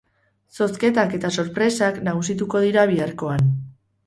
Zozketak eta sorpresak nagusituko dira biharkoan.